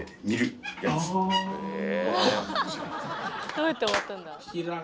どうやって終わったんだ？